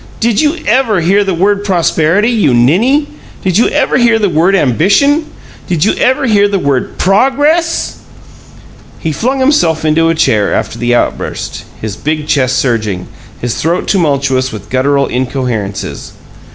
"Did you ever hear the word Prosperity, you ninny? Did you ever hear the word Ambition? Did you ever hear the word PROGRESS?" He flung himself into a chair after the outburst, his big chest surging, his throat tumultuous with gutteral incoherences.